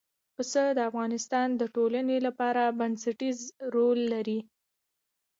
پسه د افغانستان د ټولنې لپاره بنسټيز رول لري.